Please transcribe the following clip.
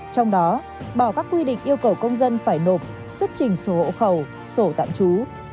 trong đó bỏ các quy định yêu cầu công dân phải nộp xuất trình sổ hộ khẩu sổ tạm trú